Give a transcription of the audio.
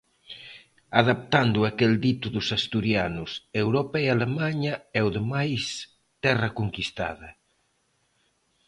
Adaptando aquel dito dos asturianos: "Europa é Alemaña e o demais terra conquistada".